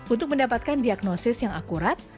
untuk mendapatkan diagnosis yang akurat